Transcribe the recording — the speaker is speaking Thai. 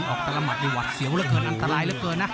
แต่ละหมัดนี่หวัดเสียวเหลือเกินอันตรายเหลือเกินนะ